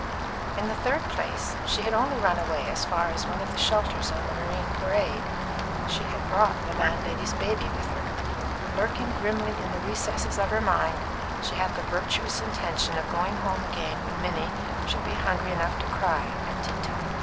In the third place, she had only run away as far as one of the shelters on the Marine Parade; she had brought the landlady's baby with her, and, lurking grimly in the recesses of her mind, she had the virtuous intention of going home again when Minnie should be hungry enough to cry, at tea time.